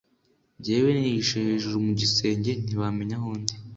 Ngewee nihishe hejuru mugisenge ntibamenya ahondi